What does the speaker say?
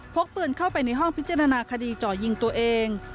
กปืนเข้าไปในห้องพิจารณาคดีจ่อยิงตัวเอง